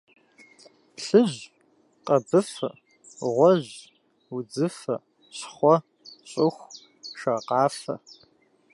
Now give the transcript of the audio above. Плъыжь, къэбыфэ, гъуэжь, удзыфэ, щхъуэ, щӏыху, шакъафэ.